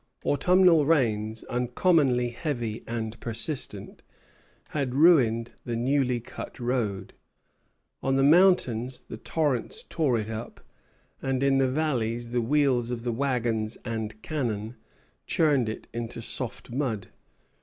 Autumnal rains, uncommonly heavy and persistent, had ruined the newly cut road. On the mountains the torrents tore it up, and in the valleys the wheels of the wagons and cannon churned it into soft mud.